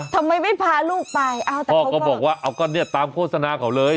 ทำไมไม่พาลูกไปพ่อก็บอกว่าตามโฆษณาเขาเลย